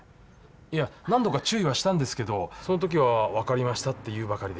いや何度か注意はしたんですけどその時は「分かりました」って言うばかりで。